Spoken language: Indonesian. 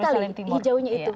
kecil sekali hijaunya itu